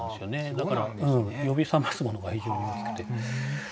だから呼び覚ますものが非常に大きくて。